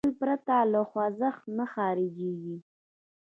غول پرته له خوځښته نه خارجېږي.